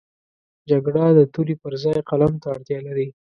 جګړه د تورې پر ځای قلم ته اړتیا لري